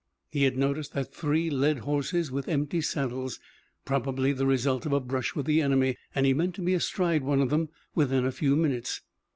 He had noticed that three led horses with empty saddles, probably the result of a brush with the enemy, and he meant to be astride one of them within a few minutes.